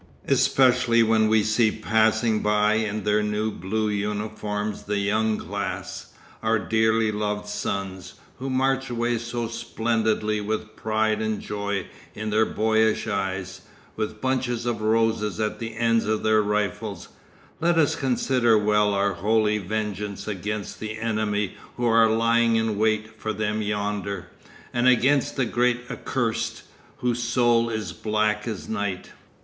Especially when we see passing by in their new blue uniforms the "young class," our dearly loved sons, who march away so splendidly with pride and joy in their boyish eyes, with bunches of roses at the ends of their rifles, let us consider well our holy vengeance against the enemy who are lying in wait for them yonder and against the great Accursed, whose soul is black as night.